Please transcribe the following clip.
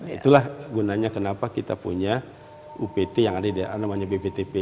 itulah gunanya kenapa kita punya upt yang ada di daerah namanya bptp